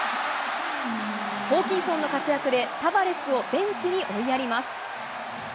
ホーキンソンの活躍で、タバレスをベンチに追いやります。